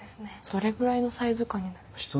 どれぐらいのサイズ感になるんですか？